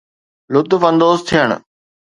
لطف اندوز ٿيڻ